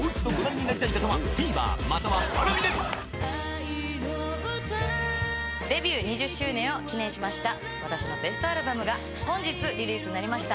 愛のうたデビュー２０周年を記念しました私のベストアルバムが本日リリースになりました